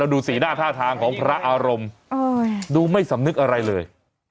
ดูสิหน้าท่ารองดูไม่สำนึกอะไรเลย